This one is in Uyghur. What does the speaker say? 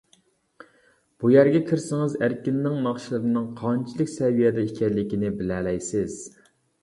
بۇ يەرگە كىرسىڭىز ئەركىنىڭ ناخشىلىرىنىڭ قانچىلىك سەۋىيەدە ئىكەنلىكىنى بىلەلەيسىز!